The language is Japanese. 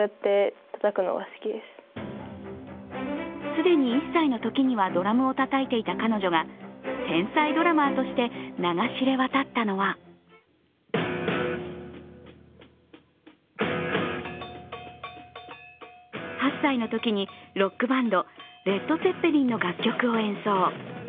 既に１歳のときにはドラムをたたいていた彼女が天才ドラマーとして名が知れ渡ったのは８歳のときにロックバンドレッド・ツェッペリンの楽曲を演奏。